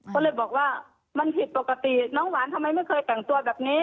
ก็เลยบอกว่ามันผิดปกติน้องหวานทำไมไม่เคยแต่งตัวแบบนี้